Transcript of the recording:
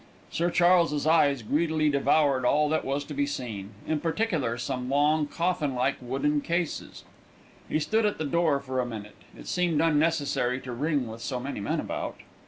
Sir Charles's eyes greedily devoured all that was to be seen in particular some long, coffin like wooden cases. He stood at the door for a minute; it seemed unnecessary to ring with so many men about.